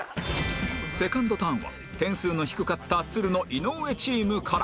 セカンドターンは点数の低かったつるの井上チームから